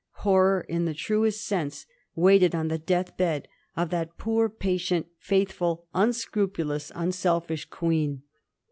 Horror in the truest sense waited on the death bed of that poor, patient, faithful, unscrupulous, un selfish Queen.